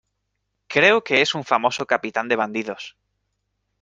creo que es un famoso capitán de bandidos.